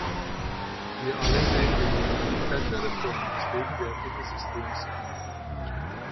Wir alle sehen die Notwendigkeit der Reform des gegenwärtigen Systems ein.